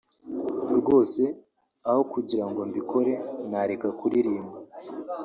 rwose aho kugira ngo mbikore nareka kuririmba